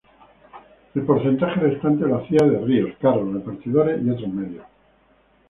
El porcentaje restante lo hacía de ríos, carros repartidores y otros medios.